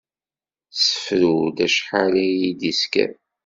Sefru-d acḥal i yi-d-isker.